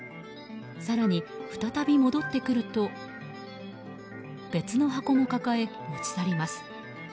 更に、再び戻ってくると別の箱も抱え持ち去ります。